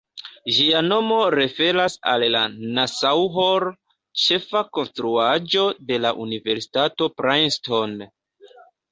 Ĝia nomo referas al la ""Nassau Hall"", ĉefa konstruaĵo de la universitato Princeton.